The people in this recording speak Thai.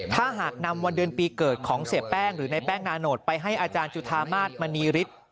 ถ้าหากนำวันเดือนปีเกิดของเสียแป้งหรือในแป้งนาโนตไปให้อาจารย์จุธามาศมณีฤทธิ์